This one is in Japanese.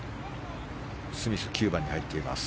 スミス９番に入っています。